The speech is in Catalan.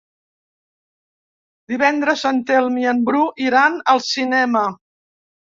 Divendres en Telm i en Bru iran al cinema.